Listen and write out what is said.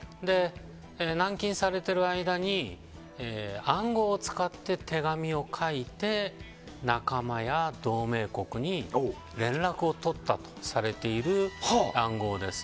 軟禁されている間に暗号を使って手紙を書いて仲間や同盟国に連絡を取ったとされている暗号です。